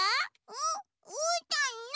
う？うーたんの！